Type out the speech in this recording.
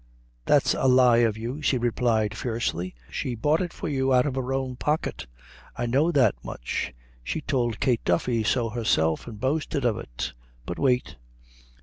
"That's a lie of you," she replied, fiercely; "she bought it for you out of her own pocket. I know that much. She tould Kate Duffy so herself, and boasted of it: but wait."